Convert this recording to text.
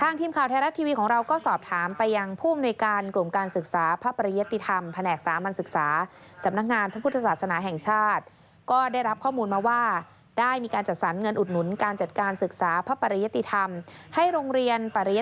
ในไตรมาสสี่